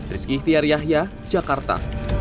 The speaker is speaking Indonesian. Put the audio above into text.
rizky tiar yahya jakarta